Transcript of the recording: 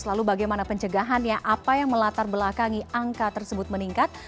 lalu bagaimana pencegahannya apa yang melatar belakangi angka tersebut meningkat